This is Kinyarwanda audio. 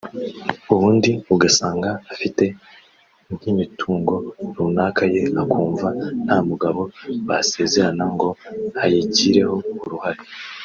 ubundi ugasanga afite nk’imitungo runaka ye akumva nta mugabo basezerana ngo ayigireho uruhare